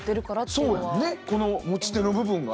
そうやねこの持ち手の部分が。